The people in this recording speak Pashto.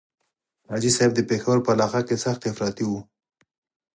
حاجي صاحب د پېښور په علاقه کې سخت افراطي وو.